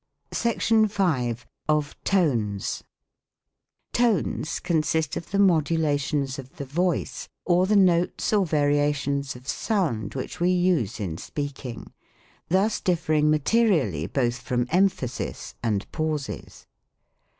SECTION V. OF TONES. Tones consist of the modulations of the voice, or the notes or variations of sound which we use in speak ing : thus differing materially both from emphasis, and pauses.